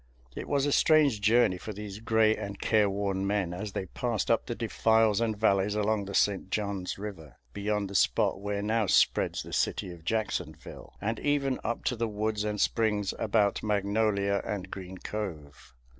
It was a strange journey for these gray and careworn men as they passed up the defiles and valleys along the St. John's River, beyond the spot where now spreads the city of Jacksonville, and even up to the woods and springs about Magnolia and Green Cove.